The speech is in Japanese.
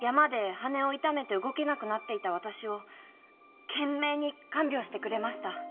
山で羽を痛めて動けなくなっていた私を懸命に看病してくれました。